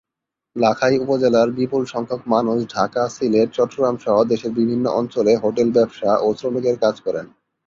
লাখাই উপজেলার বিপুল সংখ্যক মানুষ ঢাকা, সিলেট, চট্টগ্রাম সহ দেশের বিভিন্ন অঞ্চলে হোটেল ব্যবসা ও শ্রমিকের কাজ করেন।